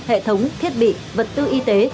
hệ thống thiết bị vật tư y tế